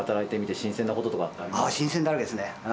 新鮮だらけですね。